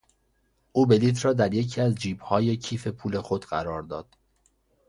او بلیط را در یکی از جیبهای کیف پول خود قرار داد.